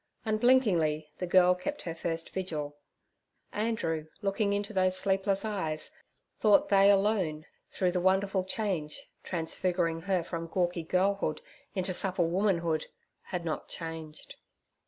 Unblinkingly the girl kept her first vigil. Andrew, looking into those sleepless eyes, thought they alone, through the wonderful change—transfiguring her from gawky girlhood into supple womanhood—had not changed.